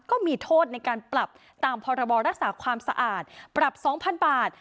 ก็มีโทษในการปรับตามพรบรักษาความสะอาดปรับ๒๐๐๐บาท